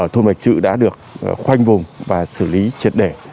thôn bạch trự đã được khoanh vùng và xử lý triệt để